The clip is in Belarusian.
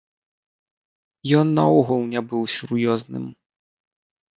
Ён наогул не быў сур'ёзным.